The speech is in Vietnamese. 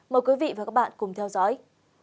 mời quý vị và các bạn cùng theo dõi